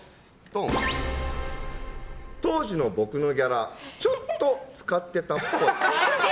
当時の僕のギャラちょっと使ってたっぽい。